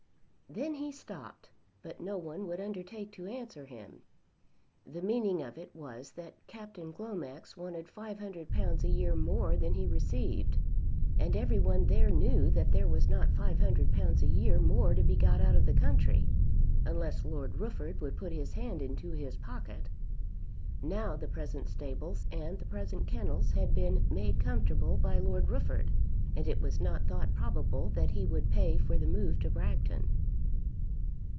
Then he stopped; but no one would undertake to answer him. The meaning of it was that Captain Glomax wanted £500 a year more than he received, and every one there knew that there was not £500 a year more to be got out of the country, unless Lord Rufford would put his hand into his pocket. Now the present stables and the present kennels had been "made comfortable" by Lord Rufford, and it was not thought probable that he would pay for the move to Bragton.